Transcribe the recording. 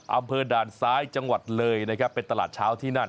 อำเภอด่านซ้ายจังหวัดเลยนะครับเป็นตลาดเช้าที่นั่น